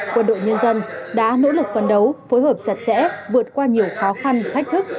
quân đội nhân dân đã nỗ lực phân đấu phối hợp chặt chẽ vượt qua nhiều khó khăn thách thức